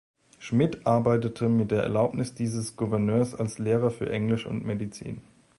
Schmidt arbeitete mit der Erlaubnis dieses Gouverneurs als Lehrer für Englisch und Medizin.